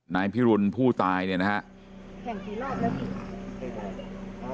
นายพิรุณผู้ตายเนี่ยนะฮะ